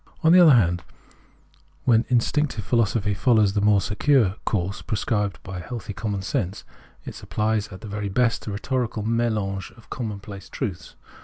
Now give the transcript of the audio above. On the other hand again, when instinctive philosophy follows the more secure course prescribed by healthy 68 Phenomenology of Mind common sense, it supplies, at tlie very best, a rhetorical melange of commonplace truths.